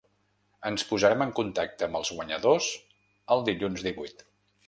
Ens posarem en contacte amb els guanyadors el dilluns divuit.